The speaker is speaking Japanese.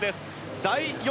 第４